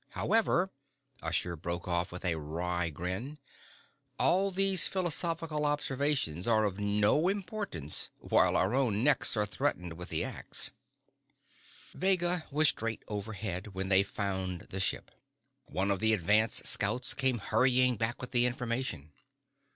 However," Usher broke off with a wry grin, "all these philosophical observations are of no importance while our own necks are threatened with the ax." Vega was straight overhead when they found the ship. One of the advance scouts came hurrying back with the information.